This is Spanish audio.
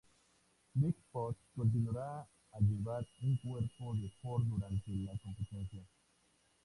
Bigfoot continuará a llevar un cuerpo de Ford durante la competencia.